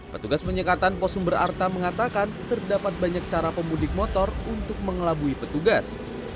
petugas penyekatan posumber arta mengatakan terdapat banyak cara pemudik motor untuk mengelabui petugas